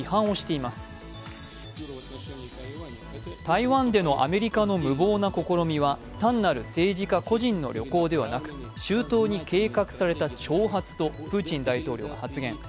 台湾でのアメリカの無謀な試みは単なる政治家個人の旅行ではなく周到に計画された挑発とプーチン大統領が発言。